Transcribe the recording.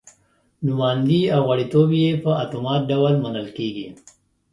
نوماندي او غړیتوب یې په اتومات ډول منل کېږي.